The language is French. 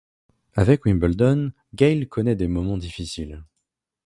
Avec Wimbledon, Gayle connaît des moments difficiles.